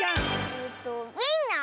えっとウインナー？